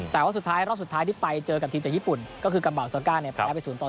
แต่ว่าสุดท้ายรอบสุดท้ายที่ไปเจอกับทีมจากญี่ปุ่นก็คือกำบาลเซอร์ก้า๐๓ครับ